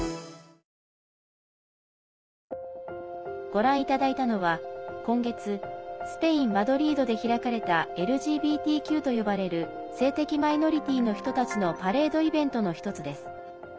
ご覧いただいたのは、今月スペイン・マドリードで開かれたＬＧＢＴＱと呼ばれる性的マイノリティーの人たちのパレードイベントの１つです。